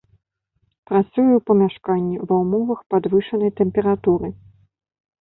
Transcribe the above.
Працуе ў памяшканні, ва ўмовах падвышанай тэмпературы.